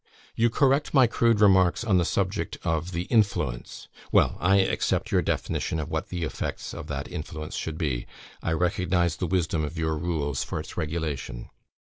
"You correct my crude remarks on the subject of the 'influence'; well, I accept your definition of what the effects of that influence should be; I recognise the wisdom of your rules for its regulation.